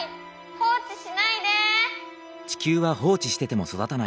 放置しないで。